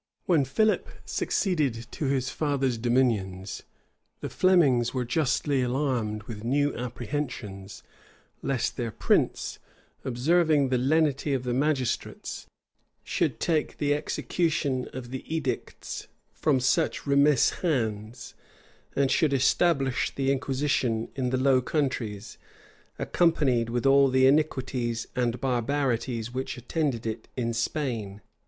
When Philip succeeded to his father's dominions, the Flemings were justly alarmed with new apprehensions, lest their prince, observing the lenity of the magistrates, should take the execution of the edicts from such remiss hands, and should establish the inquisition in the Low Countries, accompanied with all the iniquities and barbarities which attended it in Spain.